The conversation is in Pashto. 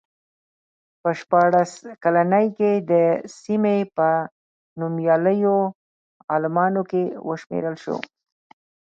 په شپاړس کلنۍ کې د سیمې په نومیالیو عالمانو کې وشمېرل شو.